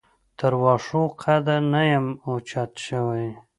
تر واښو قده نه یم اوچت شوی.